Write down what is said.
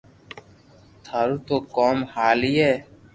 ٺاو تو ڪوم ھالئي